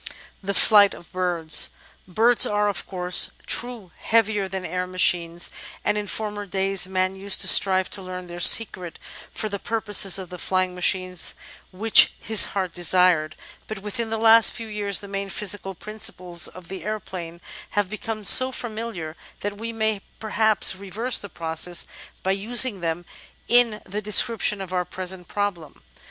§4 The Flight of Birds Birds are, of course, true heavier than air machines, and in former days man used to strive to learn their secret for the pur poses of the flying machines which his heart desired; but within the last few years the main physical principles of the aeroplane have become so familiar that we may perhaps reverse the process by using them in the description of our present problem!